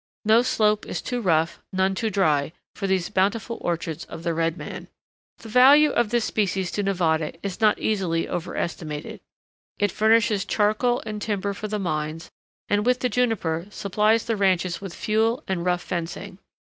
No slope is too rough, none too dry, for these bountiful orchards of the red man. The value of this species to Nevada is not easily overestimated. It furnishes charcoal and timber for the mines, and, with the juniper, supplies the ranches with fuel and rough fencing.